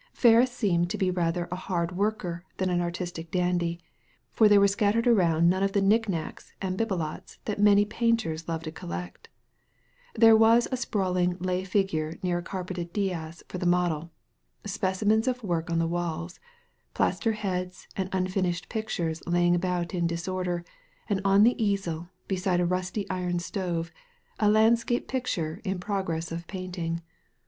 Ferris seemed to be rather a hard Digitized by Google ARTHUR FERRIS 133 worker than an artistic dandy, for there were scattered around none of the knickknacks and "bibelots" which many painters love to collect There was a sprawling lay figure near a carpeted dais for the model, specimens of work on the walls, plaster heads and unfinished pictures lying about in disorder, and on the easel, beside a rusty iron stove, a landscape picture in progress of painting.